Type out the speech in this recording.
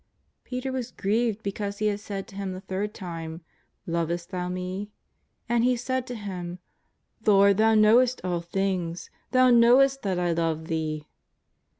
Peter was grieved because He had said to him the third time :" Lovest thou Me ?" and he said to Him :" Lord, Thou knowest all things ; Thou knowest that I love Thee."